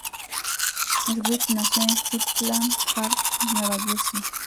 Sweet nació en Highland Park, Nueva Jersey.